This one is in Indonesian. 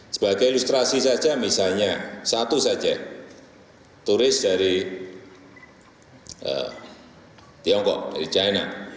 sebagai ilustrasi saja misalnya satu saja turis dari tiongkok dari china